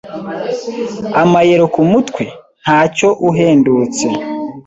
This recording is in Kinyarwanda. Amayero kumutwe? Ntacyo uhendutse?